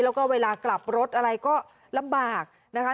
แล้วก็เวลากลับรถอะไรก็ลำบากนะคะ